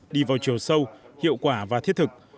đi vào chiều sâu hiệu quả và thiết thực